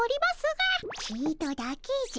ちとだけじゃ。